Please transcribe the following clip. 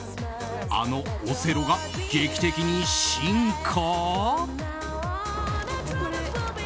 あのオセロが劇的に進化？